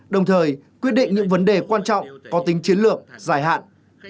đồng thời quyết định những vấn đề quan trọng có tính chiến lược dài hạn